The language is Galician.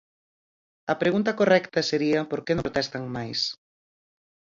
A pregunta correcta sería por que non protestan máis.